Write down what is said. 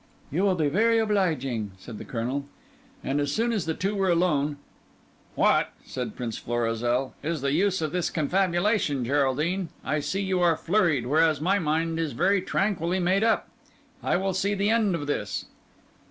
"You will be very obliging," said the Colonel. As soon as the two were alone—"What," said Prince Florizel, "is the use of this confabulation, Geraldine? I see you are flurried, whereas my mind is very tranquilly made up. I will see the end of this."